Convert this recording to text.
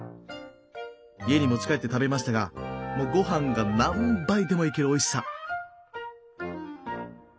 家に持ち帰って食べましたがもうご飯が何杯でもいけるおいしさ。